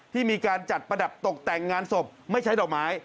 ที่มีการจัดประดับตกแต่งงานศพไม่ใช้ดอกไม้